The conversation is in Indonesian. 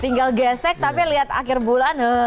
tinggal gesek tapi lihat akhir bulan